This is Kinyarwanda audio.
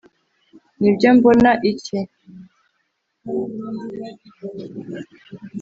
Nibyo mbona iki